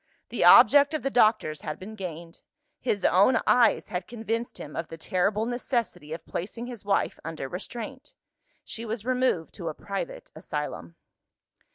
The object of the doctors had been gained. His own eyes had convinced him of the terrible necessity of placing his wife under restraint. She was removed to a private asylum.